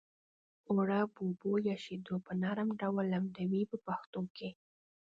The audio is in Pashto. اوړه په اوبو یا شیدو په نرم ډول لمدوي په پښتو کې.